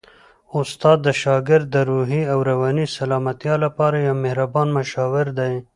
استاد د شاګرد د روحي او رواني سلامتیا لپاره یو مهربان مشاور دی.